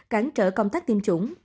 cản trở công tác tiêm chủng